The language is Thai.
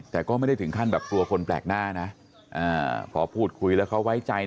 แต่ก็ไม่ได้ถึงขั้นแบบกลัวคนแปลกหน้านะพอพูดคุยแล้วเขาไว้ใจ